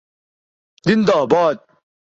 حضور یار ہوئی دفتر جنوں کی طلب